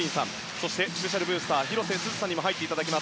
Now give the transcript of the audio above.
そして、スペシャルブースター広瀬すずさんにも入っていただきます。